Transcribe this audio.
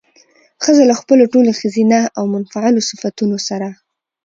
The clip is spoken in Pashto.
ښځه له خپلو ټولو ښځينه او منفعلو صفتونو سره